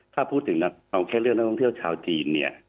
ถ้าพูดถึงนักท่องเที่ยวชาวจีนเนี่ย